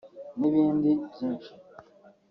N’ibindi byinshi